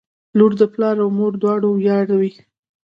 • لور د پلار او مور دواړو ویاړ وي.